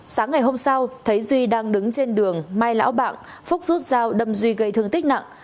sáng ngày hôm sau thấy duy đang đứng trên đường mai lão bạc phúc rút dao đâm duy gây thương tích nặng